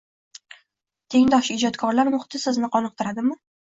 Tengdosh ijodkorlar muhiti sizni qoniqtiradimi?